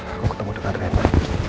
aku ketemu dengan rena